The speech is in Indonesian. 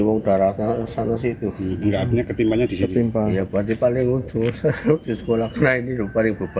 antara sosoran dengan pandasi sih